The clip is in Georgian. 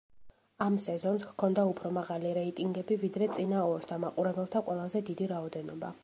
ამ სეზონს ჰქონდა უფრო მაღალი რეიტინგები, ვიდრე წინა ორს და მაყურებელთა ყველაზე დიდი რაოდენობა.